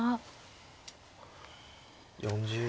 ４０秒。